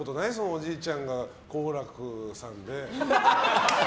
おじいちゃんが好楽さんで。